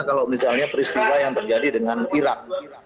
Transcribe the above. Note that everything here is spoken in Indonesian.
kalau misalnya peristiwa yang terjadi dengan irak